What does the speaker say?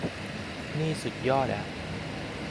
นี่สุดยอดอ่ะ